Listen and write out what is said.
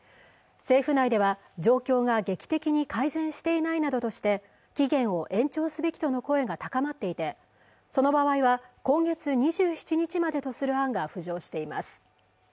政府内では状況が劇的に改善していないなどとして期限を延長すべきとの声が高まっていてその場合は今月２７日までとする案が浮上しています